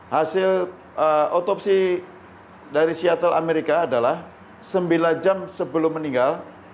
hasil otopsi dari seattle amerika adalah sembilan jam sebelum meninggal